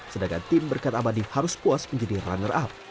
sedangkan tim berkat abadi harus puas menjadi runner up